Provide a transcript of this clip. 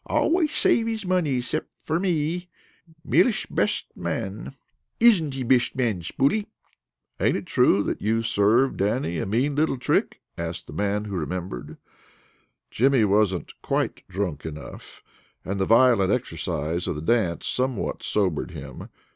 Alwaysh save his money 'cept for me. Milesh besht man! Isn't he besht man, Spooley?" "Ain't it true that you served Dannie a mean little trick?" asked the man who remembered. Jimmy wasn't quite drunk enough, and the violent exercise of the dance somewhat sobered him.